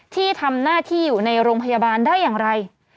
ที่ทำหน้าที่อยู่ในโรงพยาบาลได้อย่างไร